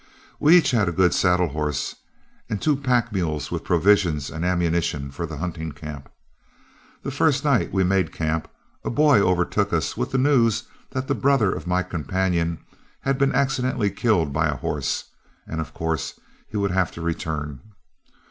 We each had a good saddle horse, and two pack mules with provisions and ammunition for the hunting camp. The first night we made camp, a boy overtook us with the news that the brother of my companion had been accidentally killed by a horse, and of course he would have to return.